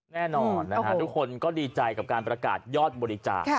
แน่นอนทุกคนก็ดีใจกับการประกาศยอดบริจาค